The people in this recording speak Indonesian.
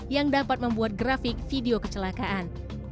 yang dapat membuat grafik video kecelakaan